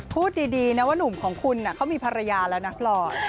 พูดดีนะว่าหนุ่มของคุณเขามีภรรยาแล้วนะพลอย